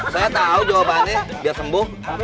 saya tahu jawabannya biar sembuh